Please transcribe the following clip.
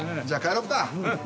じゃあ帰ろっか。